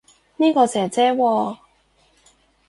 呢個姐姐喎